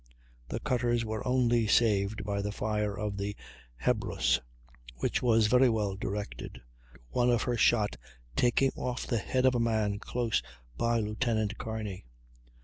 The cutters were only saved by the fire of the Hebrus, which was very well directed one of her shot taking off the head of a man close by Lieut. Kearney.